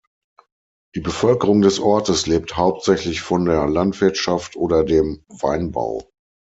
Die Bevölkerung des Ortes lebt hauptsächlich von der Landwirtschaft oder dem Weinbau.